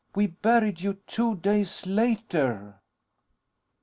We buried you two days later."